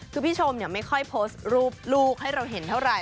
คือพี่ชมไม่ค่อยโพสต์รูปลูกให้เราเห็นเท่าไหร